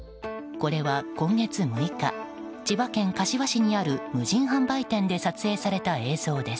これは、今月６日千葉県柏市にある無人販売店で撮影された映像です。